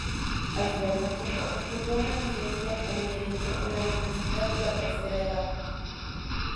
Alfredo Pacheco estudió una Licencia en Derecho en la Universidad de la Tercera Edad.